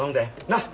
なっ。